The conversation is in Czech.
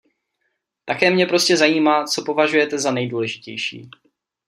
Také mě prostě zajímá, co považujete za nejdůležitější.